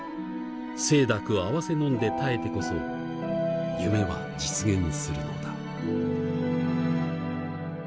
清濁あわせ飲んで耐えてこそ夢は実現するのだ。